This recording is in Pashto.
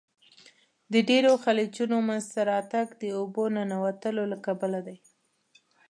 د ډیرو خلیجونو منځته راتګ د اوبو ننوتلو له کبله دی.